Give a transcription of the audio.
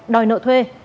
đòi nợ thuê